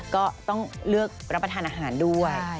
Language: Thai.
ก็ต้องเลือกรับประทานอาหารด้วย